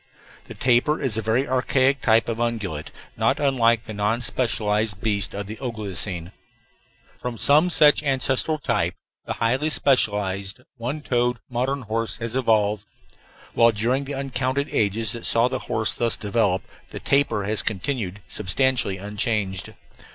The tapir is a very archaic type of ungulate, not unlike the non specialized beasts of the Oligocene. From some such ancestral type the highly specialized one toed modern horse has evolved, while during the uncounted ages that saw the horse thus develop the tapir has continued substantially unchanged.